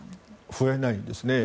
増えないんですね。